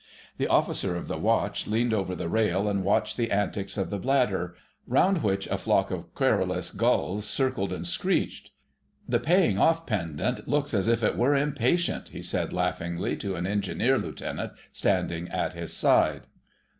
The Officer of the Watch leaned over the rail and watched the antics of the bladder, round which a flock of querulous gulls circled and screeched. "The paying off pendant[#] looks as if it were impatient," he said laughingly to an Engineer Lieutenant standing at his side.